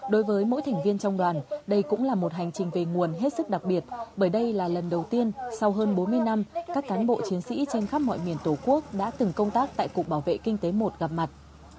đối với mỗi thành viên trong đoàn đây cũng là một hành trình về nguồn hết sức đặc biệt bởi đây là lần đầu tiên sau hơn bốn mươi năm các cán bộ chiến sĩ trên khắp mọi miền tổ quốc đã từng công tác tại cục bảo vệ kinh tế một gặp mặt